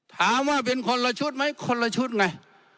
ถามว่าเป็นคนละชุดไหมคนละชุดไง